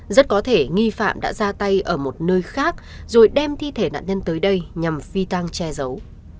rất có thể nghi phạm đã ra tay ở một nơi khác rồi đem thi thể nạn nhân tới đây nhằm phi tăng che giấu